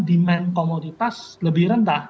demand komoditas lebih rendah